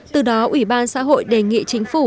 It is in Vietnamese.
từ đó ủy ban xã hội đề nghị chính phủ